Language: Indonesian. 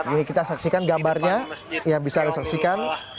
ini kita saksikan gambarnya yang bisa disaksikan